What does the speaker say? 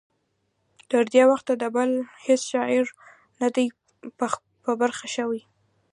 تر دې وخته د بل هیڅ شاعر نه دی په برخه شوی.